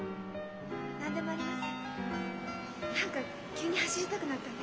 何でもありません。